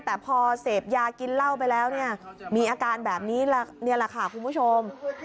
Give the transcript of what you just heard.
แต่พอเสพยากินเหล้าไปแล้วเนี่ยมีอาการแบบนี้นี่แหละค่ะคุณผู้ชม